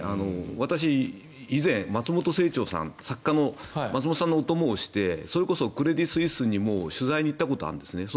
私、以前、松本清張さん作家の松本さんのお供をしてそれこそクレディ・スイスにも取材に行ったことがあるんです。